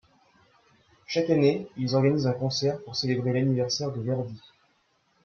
Chaque année, ils organisent un concert pour célébrer l'anniversaire de Verdi.